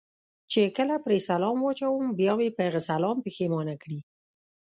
چې کله پرې سلام واچوم، بیا مې په هغه سلام پښېمانه کړي.